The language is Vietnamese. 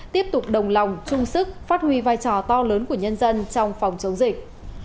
tiếp tục đồng lòng chung sức phát huy vai trò to lớn của nhân dân trong phòng chống dịch